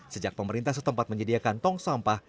sejak pemerintah setempat menyediakan tong sampah